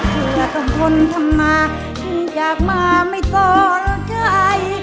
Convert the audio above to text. เผื่อต้นทนทำมาจึงจากมาไม่สนใจ